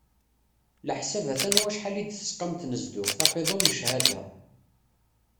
Leḥsab a-t-an wacḥal i d-tesqam tnezduɣt, aqiḍun n cchada.